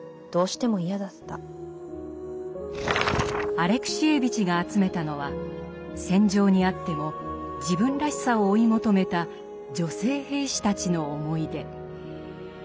アレクシエーヴィチが集めたのは戦場にあっても自分らしさを追い求めた女性兵士たちの思い出。